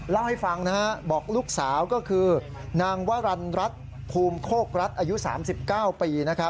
เล่าให้ฟังบอกลูกสาวก็คือนางวรรณรัฐภูมิโคกรัฐอายุ๓๙ปี